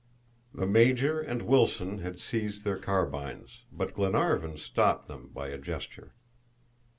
The Major and Wilson had seized their carbines, but Glenarvan stopped them by a gesture.